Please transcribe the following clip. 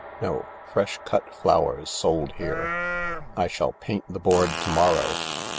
No, ' Fresh cut flowers sold here.' I shall paint the board to morrow.